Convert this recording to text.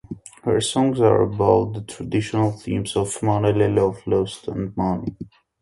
Her songs are about the traditional themes of manele; love, lust, and money.